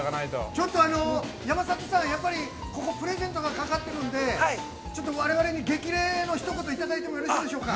◆ちょっと山里さん、やっぱりここプレゼントが、かかっているので、ちょっと我々に激励のひと言をいただいてもよろしいでしょうか。